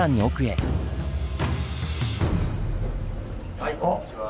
はいこんにちは。